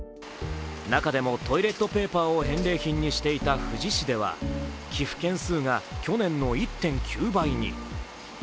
中でもトイレットペーパーを返礼品にしていた富士市では寄付件数が去年の１．９倍に。